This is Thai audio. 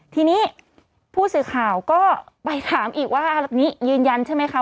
ทีนี้ผู้สื่อข่าวก็ไปถามอีกว่านี้ยืนยันใช่ไหมคะ